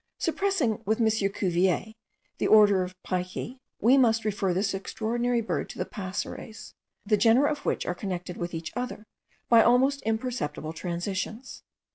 Suppressing, with M. Cuvier, the order of picae, we must refer this extraordinary bird to the passeres, the genera of which are connected with each other by almost imperceptible transitions.